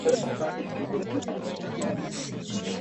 viazi lishe husagwa ili kupata unga